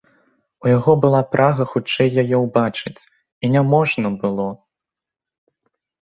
У яго была прага хутчэй яе ўбачыць, і не можна было.